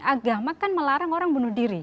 agama kan melarang orang bunuh diri